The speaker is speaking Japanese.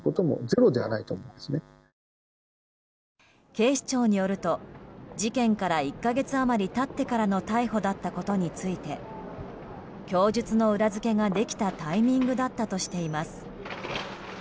警視庁によると事件から１か月余り経ってからの逮捕だったことについて供述の裏付けができたタイミングだったとしています。